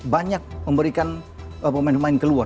banyak memberikan pemain pemain keluar